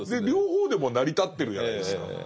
両方でも成り立ってるじゃないですか。